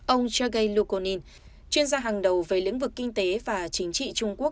ông sergei lukonin chuyên gia hàng đầu về lĩnh vực kinh tế và chính trị trung quốc